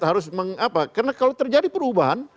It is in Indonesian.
karena kalau terjadi perubahan